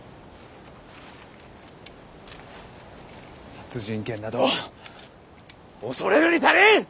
殺人剣など恐れるに足りん！